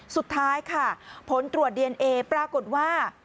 สุดท้ายค่ะผลตรวจดีเอนเอปรากฏว่า